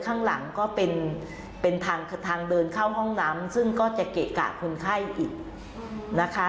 ข้างหลังก็เป็นเป็นทางเดินเข้าห้องน้ำซึ่งก็จะเกะกะคนไข้อีกนะคะ